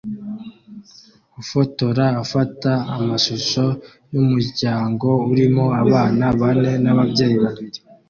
Ufotora afata amashusho yumuryango urimo abana bane nababyeyi babiri